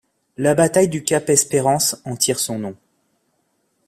La bataille du cap Espérance en tire son nom.